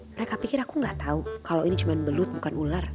mereka pikir aku nggak tahu kalau ini cuma belut bukan ular